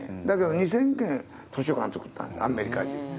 だけど２０００件図書館作った、アメリカ人。